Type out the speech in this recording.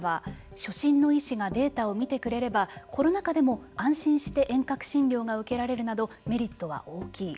初診の医師がデータを見てくれればコロナ禍でも安心して遠隔診療が受けられるなどメリットは大きい。